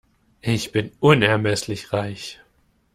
Ich bin unermesslich reich.